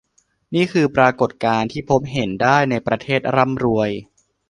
นี่คือปรากฏการณ์ที่พบเห็นได้ในประเทศร่ำรวย